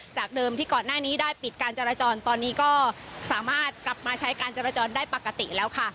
จากเดิมที่ก่อนหน้านี้ได้ปิดการจราจรตอนนี้ก็สามารถกลับมาใช้การจราจรได้ปกติแล้วค่ะ